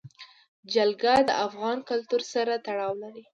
جلګه د افغان کلتور سره تړاو لري.